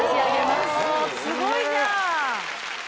すごいじゃん！